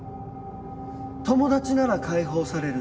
友達なら解放される。